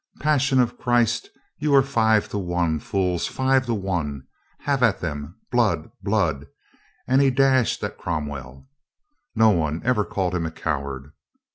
"Passion of Christ! You are five to one, fools, five to one! Have at them ! Blood ! Blood !" and he dashed at Cromwell. No one ever called him a coward.